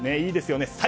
いいですよね。